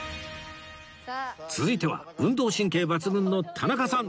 続いては運動神経抜群の田中さん